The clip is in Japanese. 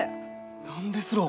何ですろう？